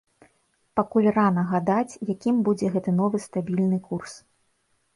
Пакуль рана гадаць, якім будзе гэты новы стабільны курс.